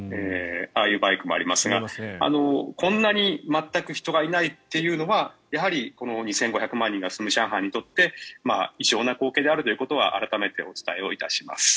ああいうバイクもありますがこんなに全く人がいないというのはやはり２５００万人が住む上海にとって異常な光景であるということは改めてお伝えします。